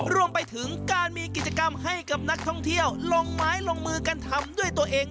รวมไปถึงการมีกิจกรรมให้กับนักท่องเที่ยวลงไม้ลงมือกันทำด้วยตัวเอง